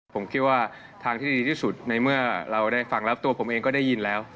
ผมคิดว่าทางที่ดีที่สุดในเมื่อเราได้ฟังแล้วตัวผมเองก็ได้ยินแล้ว